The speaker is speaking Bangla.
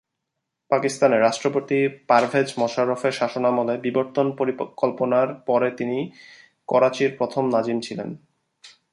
পাকিস্তানে রাষ্ট্রপতি পারভেজ মোশাররফের শাসনামলে বিবর্তন পরিকল্পনার পরে তিনি করাচির প্রথম নাজিম ছিলেন।